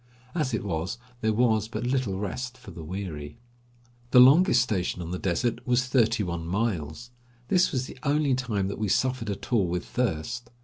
As it was there was but little rest for the weary. The longest station on the desert was thirty one miles. This was the only time that we suffered at all with thirst.